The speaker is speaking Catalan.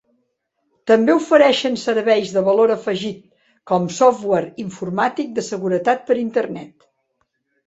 També ofereixen serveis de valor afegit com software informàtic de seguretat per Internet.